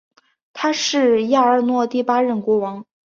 他是亚尔诺第八任国王。